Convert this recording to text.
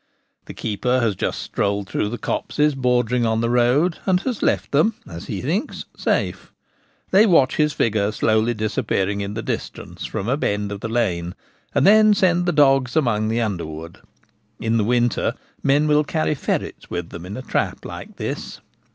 The keeper has just strolled through the copses bordering on the road, and has left them, as he thinks, safe. They watch his figure slowly disappear ing in the distance from a bend of the lane, and then send the dogs among the underwood. In the winter men will carry ferrets with them in a trap like this.